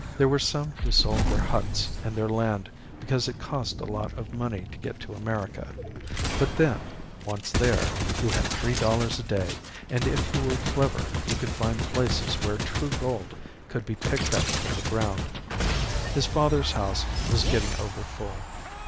There were some who sold their huts and their land because it cost a lot of money to get to America; but then, once there, you had three dollars a day, and if you were clever you could find places where true gold could be picked up on the ground. His father's house was getting over full.